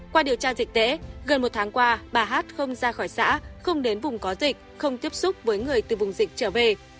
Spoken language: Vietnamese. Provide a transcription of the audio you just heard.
qua điều tra dịch tễ gần một tháng qua bà hát không ra khỏi xã không đến vùng có dịch không tiếp xúc với người từ vùng dịch trở về